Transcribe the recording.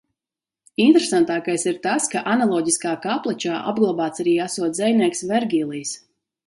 Interesantākais ir tas, ka analoģiskā kapličā apglabāts arī esot dzejnieks Vergīlijs.